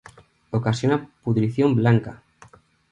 Ocasiona pudrición blanca.